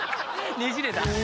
ねじれたね。